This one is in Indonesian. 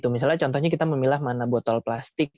misalnya contohnya kita memilah mana botol plastik